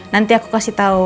nanti aku kasih tau